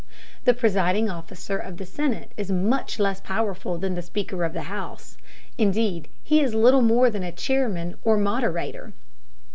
The presiding officer of the Senate is much less powerful than the Speaker of the House, indeed he is little more than a chairman or moderator.